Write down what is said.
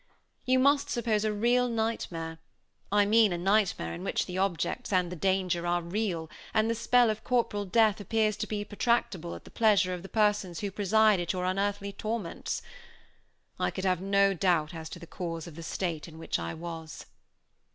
You must suppose a real night mare I mean a night mare in which the objects and the danger are real, and the spell of corporal death appears to be protractible at the pleasure of the persons who preside at your unearthly torments. I could have no doubt as to the cause of the state in which I was.